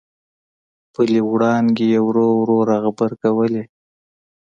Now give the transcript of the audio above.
خپلې وړانګې یې ورو ورو را غبرګولې.